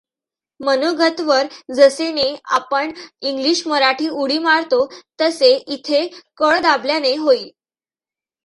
मनोगतवर जसे ने आपण इंग्लिश मराठी उडी मारतो तसे इथे कळ दाबल्याने होईल.